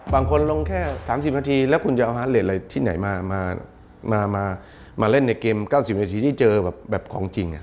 บางคนลงแค่๓๐นาทีแล้วคุณจะเอาฮาร์เลสอะไรที่ไหนมาเล่นในเกม๙๐นาทีที่เจอแบบของจริง